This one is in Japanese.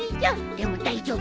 でも大丈夫！